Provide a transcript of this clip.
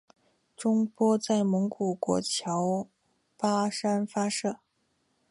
中波在蒙古国乔巴山发射。